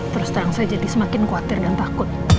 terus terang saya jadi semakin khawatir dan takut